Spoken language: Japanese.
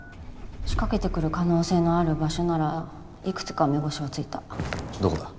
仕掛けてくる可能性のある場所ならいくつか目星はついたどこだ？